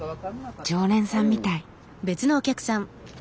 常連さんみたい。